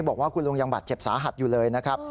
บอกว่าคุณลุงยังบาดเจ็บสาหัสอยู่เลยนะครับ